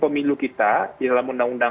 pemilu yang terkasih adalah penggunaan kekuatan